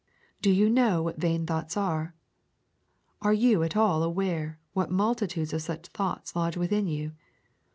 Do you know what vain thoughts are? Are you at all aware what multitudes of such thoughts lodge within you?